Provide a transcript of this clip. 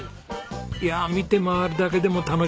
いや見て回るだけでも楽しいですね